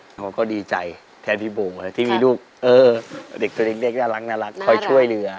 เขาก็ดีใจแทนพี่โบที่มีลูกเด็กน่ารักคอยช่วยเรือ